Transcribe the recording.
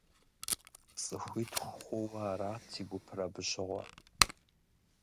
ЦӀыхуитху хъууэ арат си гупыр абы щыгъуэ.